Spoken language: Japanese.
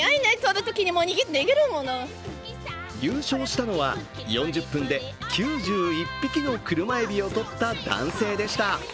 優勝したのは４０分で９１匹の車えびをとった男性でした。